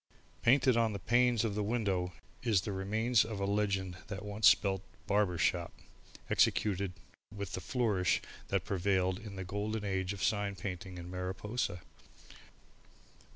Painted on the panes of the window is the remains of a legend that once spelt BARBER SHOP, executed with the flourishes that prevailed in the golden age of sign painting in Mariposa.